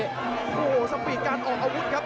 โอ้โหสปีดการออกอาวุธครับ